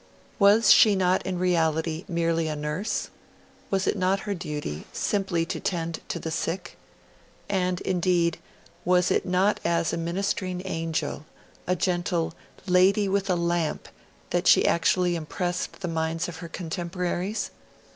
Was she not in reality merely a nurse? Was it not her duty simply to tend the sick? And indeed, was it not as a ministering angel, a gentle 'lady with a lamp', that she actually impressed the minds of her contemporaries?